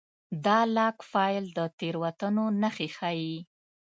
دا لاګ فایل د تېروتنو نښې ښيي.